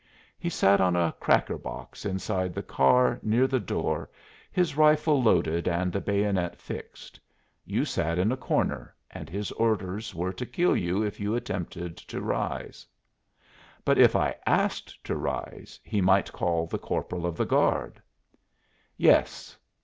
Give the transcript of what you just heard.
He sat on a cracker box inside the car, near the door, his rifle loaded and the bayonet fixed. You sat in a corner and his orders were to kill you if you attempted to rise." "But if I asked to rise he might call the corporal of the guard." "Yes.